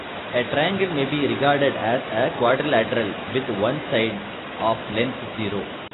A triangle may be regarded as a quadrilateral with one side of length zero.